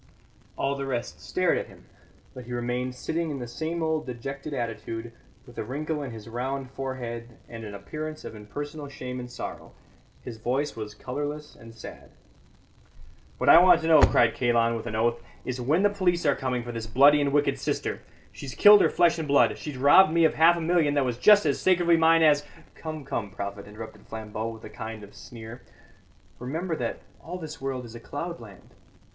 All the rest stared at him, but he remained sitting in the same old dejected attitude, with a wrinkle in his round forehead and an appearance of impersonal shame and sorrow; his voice was colourless and sad. "What I want to know," cried Kalon, with an oath, "is when the police are coming for this bloody and wicked sister. She's killed her flesh and blood; she's robbed me of half a million that was just as sacredly mine as " "Come, come, prophet," interrupted Flambeau, with a kind of sneer; "remember that all this world is a cloudland."